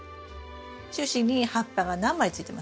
主枝に葉っぱが何枚ついてますか？